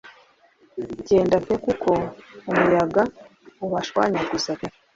Genda pe kuko umuyaga ubashwanyaguza pe -